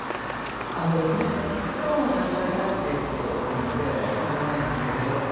独立のきっかけはもう誘われたっていうことなのでそんなにないんですけれど